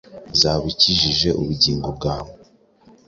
uzaba ukijije ubugingo bwawe.”